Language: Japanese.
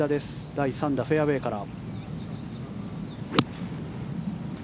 第３打、フェアウェーから。